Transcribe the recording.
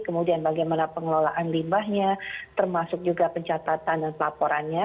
kemudian bagaimana pengelolaan limbahnya termasuk juga pencatatan dan pelaporannya